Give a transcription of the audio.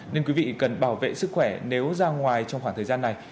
nên quý vị cần bảo vệ sức khỏe nếu ra ngoài trong khoảng thời gian này